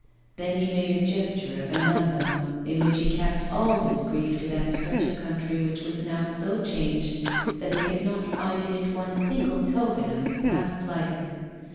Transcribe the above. Then he made a gesture of anathema, in which he cast all his grief to that stretch of country which was now so changed that he could not find in it one single token of his past life.